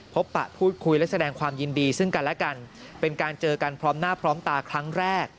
ปะพูดคุยและแสดงความยินดีซึ่งกันและกันเป็นการเจอกันพร้อมหน้าพร้อมตาครั้งแรก